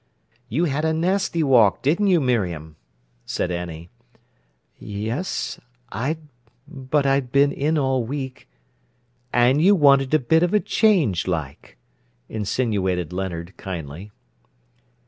"You had a nasty walk, didn't you, Miriam?" said Annie. "Yes—but I'd been in all week—" "And you wanted a bit of a change, like," insinuated Leonard kindly.